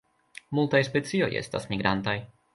Multaj specioj estas migrantaj.